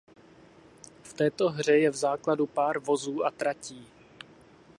V této hře je v základu pár vozů a tratí.